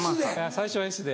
最初はＳで。